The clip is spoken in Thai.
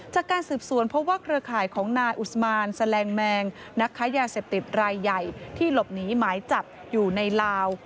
จากการสืบสวนเพราะว่าเครือข่ายของนายอุศมานแสลงแมงนักค้ายาเสพติดรายใหญ่ที่หลบหนีหมายจับอยู่ในลาว